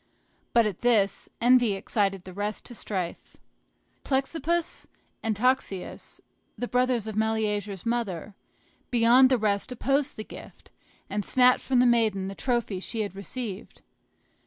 But at this, envy excited the rest to strife. Plexippus and Toxeus, the brothers of Meleager's mother, beyond the rest opposed the gift, and snatched from the maiden the trophy she had received.